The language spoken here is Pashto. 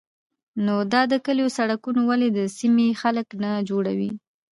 _نو دا د کليو سړکونه ولې د سيمې خلک نه جوړوي؟